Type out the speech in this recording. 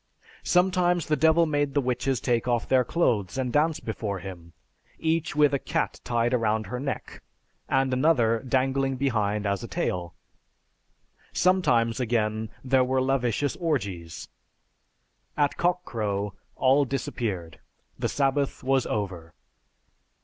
Sometimes the Devil made the witches take off their clothes and dance before him, each with a cat tied around her neck, and another dangling behind as a tail. Sometimes, again, there were lascivious orgies. At cock crow, all disappeared; the sabbath was over."